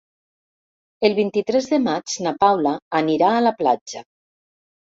El vint-i-tres de maig na Paula anirà a la platja.